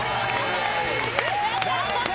やった！